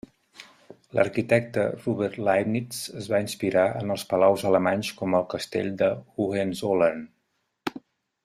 L'arquitecte, Robert Leibnitz, es va inspirar en els palaus alemanys, com el Castell de Hohenzollern.